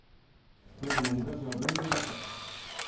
これでも昔は軍人だったんですよ。